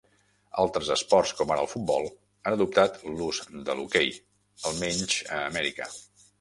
Altres esports com ara el futbol han adoptat l'ús de l'hoquei, almenys a Amèrica.